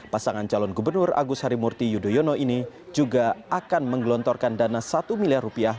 pasangan calon gubernur agus harimurti yudhoyono ini juga akan menggelontorkan dana satu miliar rupiah